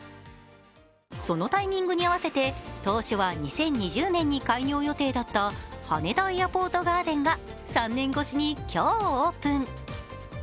そのタイミングに合わせて当初は２０２０年に開業予定だった羽田エアポートガーデンが３年越しに今日オープン。